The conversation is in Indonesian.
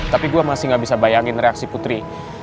tapi gue masih gak bisa bayangin reaksi putri